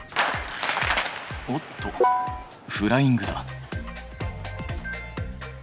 おっとフライングだ。